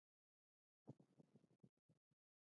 بهرني محصلین اقتصاد ته ګټه رسوي.